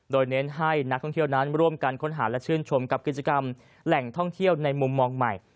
โดยเน้นให้นักท่องเที่ยวนั้นร่วมกันค้นหาและชื่นชมกับกิจกรรมแหล่งท่องเที่ยวในมุมมองใหม่